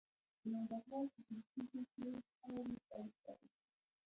د ننګرهار په بهسودو کې خاورو ته وسپارل شو.